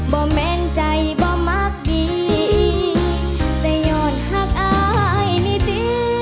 แม่นใจบ่มักดีแต่หยอดหักอายนิติ